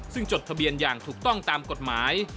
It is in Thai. ซึ่งจดทะเบียนอย่างถูกต้องตามกฎหมาย